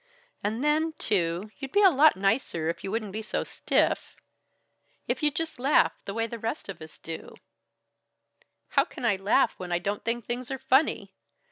And then, too, you'd be a lot nicer if you wouldn't be so stiff. If you'd just laugh the way the rest of us do " "How can I laugh when I don't think things are funny?